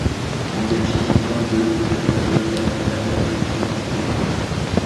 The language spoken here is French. En Belgique, moins de de par km permet une réduction d'impôt.